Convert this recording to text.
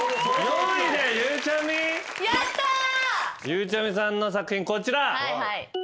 ゆうちゃみさんの作品こちら。